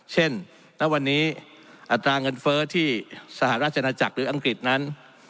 ณวันนี้อัตราเงินเฟ้อที่สหราชนาจักรหรืออังกฤษนั้น